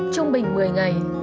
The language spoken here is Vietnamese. trung bình một mươi ngày